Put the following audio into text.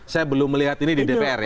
saya belum melihat ini di dpr ya